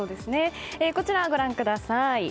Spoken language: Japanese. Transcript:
こちら、ご覧ください。